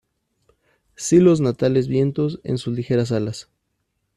Silos natales vientos en sus ligeras alas